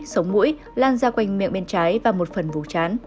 sống mũi lan ra quanh miệng bên trái và một phần vùng chán